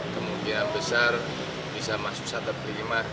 kemudian besar bisa masuk sana prima